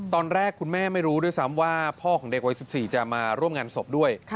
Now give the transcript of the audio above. ตอนแรกคุณแม่ไม่รู้ด้วยซ้ำว่าพ่อของเด็กวัย๑๔จะมาร่วมงานศพด้วย